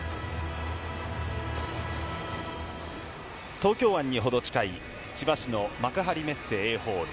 東京湾に程近い、千葉市の幕張メッセＡホール。